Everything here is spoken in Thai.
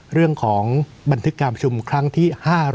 เรื่องของบันทึกการประชุมครั้งที่๕๐๑